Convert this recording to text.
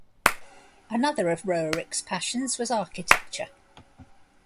Another of Roerich's passions was architecture.